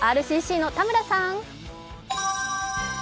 ＲＣＣの田村さん！